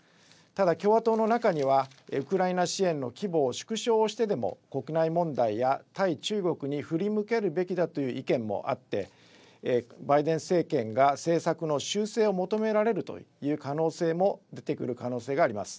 ただ共和党の中にはウクライナ支援の規模を縮小してでも国内問題や対中国に振り向けるべきだという意見もあってバイデン政権が政策の修正を求められるという可能性も出てくる可能性があります。